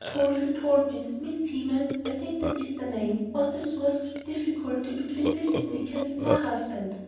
Caulfield told me that a Miss Teman I think that is the name was the source of the difficulty between Mrs. Dickens and her husband.